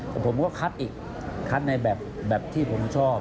แต่ผมก็คัดอีกคัดในแบบที่ผมชอบ